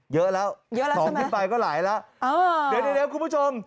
เยอะแล้วสองที่ไปก็หลายแล้วเดี๋ยวคุณผู้ชม